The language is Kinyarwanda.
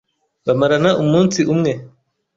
Bamarana umunsi umwe.